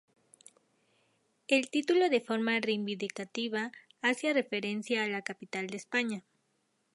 El título, de forma reivindicativa, hacía referencia a la capital de España.